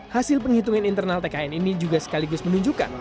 hasil penghitungan internal tkn ini juga sekaligus menunjukkan